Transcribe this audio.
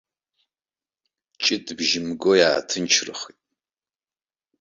Ҷытбжьы мго иааҭынчрахеит.